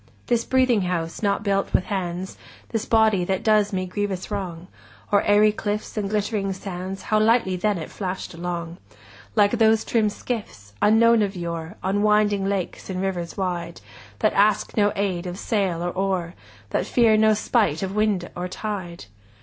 This breathing house not built with hands, This body that does me grievous wrong, O'er aery cliffs and glittering sands, 10 How lightly then it flash'd along— Like those trim skiffs, unknown of yore, On winding lakes and rivers wide, That ask no aid of sail or oar, That fear no spite of wind or tide!